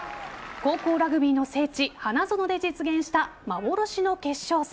高校ラグビーの聖地・花園で実現した幻の決勝戦。